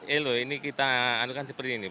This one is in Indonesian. elo ini kita anukan seperti ini